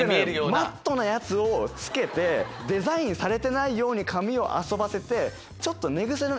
マットなやつをつけてデザインされてないように髪を遊ばせてちょっと。